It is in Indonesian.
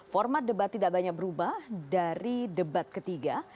format debat tidak banyak berubah dari debat ketiga